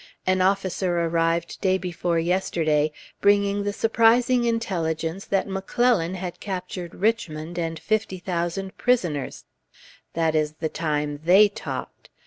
An officer arrived day before yesterday, bringing the surprising intelligence that McClellan had captured Richmond and fifty thousand prisoners; that is the time they talked.